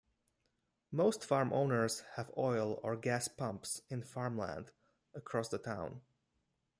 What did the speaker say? Most farm owners have oil or gas pumps in farmland across the town.